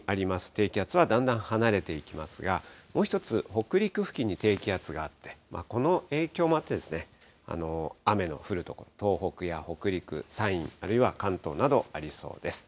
低気圧はだんだん離れていきますが、もう一つ、北陸付近に低気圧があって、この影響もあって、雨の降る所、東北や北陸、山陰、あるいは関東などありそうです。